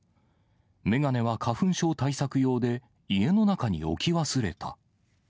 眼鏡は花粉症対策用で、家の中に置き忘れた。